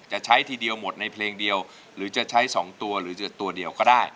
จะใช้ทีเดียวหมดในเพลงเดียวหรือจะใช้๒ตัวหรือจะตัวเดียวก็ได้